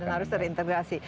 dan harus terintegrasi